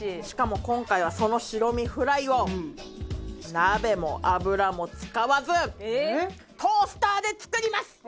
しかも今回はその白身フライを鍋も油も使わずトースターで作ります！